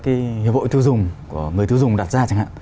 nhân vội tiêu dùng của người tiêu dùng đặt ra